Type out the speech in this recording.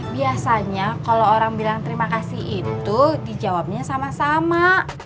biasanya kalau orang bilang terima kasih itu dijawabnya sama sama